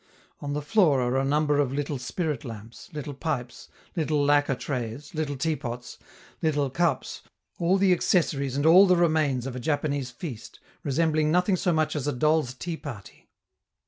On the floor are a number of little spirit lamps, little pipes, little lacquer trays, little teapots, little cups all the accessories and all the remains of a Japanese feast, resembling nothing so much as a doll's tea party.